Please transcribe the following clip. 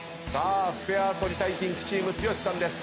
スペア取りたいキンキチーム剛さんです。